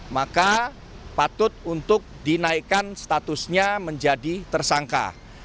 maka patut untuk dinaikkan statusnya menjadi tersangka